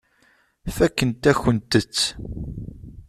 Fakkent-akent-t.